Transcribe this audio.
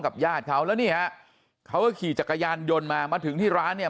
ญาติเขาแล้วนี่ฮะเขาก็ขี่จักรยานยนต์มามาถึงที่ร้านเนี่ย